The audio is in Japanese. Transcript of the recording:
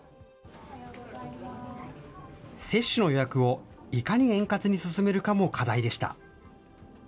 接種の予約をいかに円滑に進めるかも課題でした。